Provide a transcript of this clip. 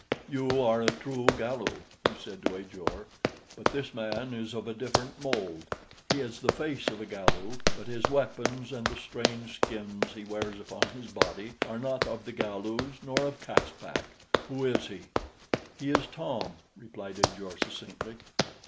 "You are a true Galu," he said to Ajor, "but this man is of a different mold. He has the face of a Galu, but his weapons and the strange skins he wears upon his body are not of the Galus nor of Caspak. Who is he?" "He is Tom," replied Ajor succinctly.